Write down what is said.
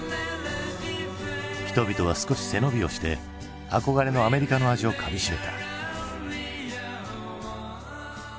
人々は少し背伸びをして憧れのアメリカの味をかみしめた。